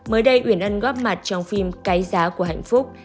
mới đây uyển ân góp mặt trong phim cái giá của hạnh phúc